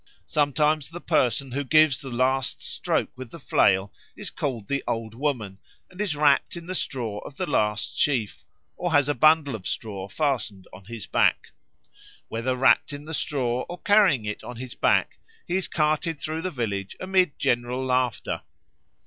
Sometimes the person who gives the last stroke with the flail is called the Old Woman, and is wrapt in the straw of the last sheaf, or has a bundle of straw fastened on his back. Whether wrapt in the straw or carrying it on his back, he is carted through the village amid general laughter.